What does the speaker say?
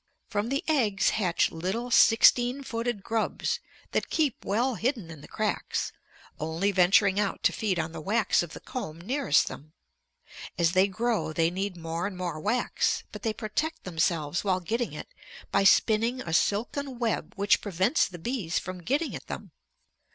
From the eggs hatch little sixteen footed grubs that keep well hidden in the cracks, only venturing out to feed on the wax of the comb nearest them. As they grow they need more and more wax, but they protect themselves while getting it by spinning a silken web which prevents the bees from getting at them.